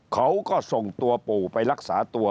เขาก็ส่งตัวปู่ไปรักษาตัว